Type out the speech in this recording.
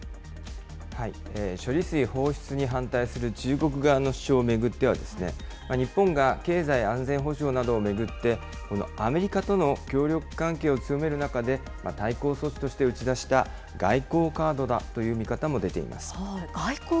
処理水放出に反対する中国側の主張を巡っては、日本が経済安全保障などを巡って、アメリカとの協力関係を強める中で、対抗措置として打ち出した外交カードだという見方も出ています。